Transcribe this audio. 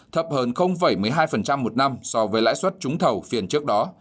thấp hơn một mươi hai một năm so với lãi suất trúng thầu phiên trước đó